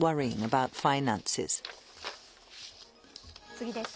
次です。